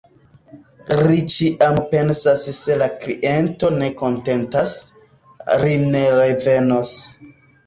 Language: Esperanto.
Ri ĉiam pensas "Se la kliento ne kontentas, ri ne revenos".